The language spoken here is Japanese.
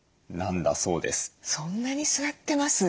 そんなに座ってます？